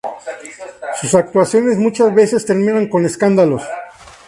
Sus actuaciones muchas veces terminan con escándalos.